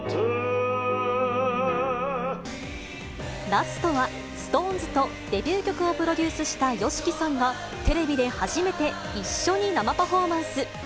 ラストは、ＳｉｘＴＯＮＥＳとデビュー曲をプロデュースしたＹＯＳＨＩＫＩさんが、テレビで初めて一緒に生パフォーマンス。